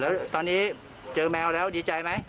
แล้วตอนนี้เจอแมวแล้วดีใจไหม